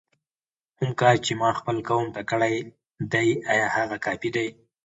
کوم کار چې ما خپل قوم ته کړی دی آیا هغه کافي دی؟!